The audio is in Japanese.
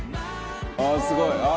ああすごい。